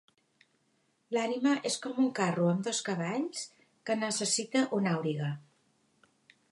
L'ànima és com un carro amb dos cavalls que necessita un auriga.